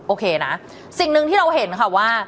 โอเคนะสิ่งหนึ่งที่เราเห็นค่ะว่า